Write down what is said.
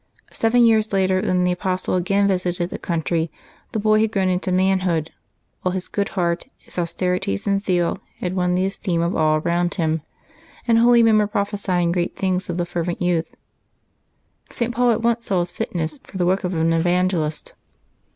Seven years later, when the Apostle again visited the country, the boy had grown into manhood, while his good heart, his austerities and zeal had won the esteem of all around him; and holy men were prophesying great things of the fervent youth. St. Paul at once saw his fitness for the work of an evan gelist.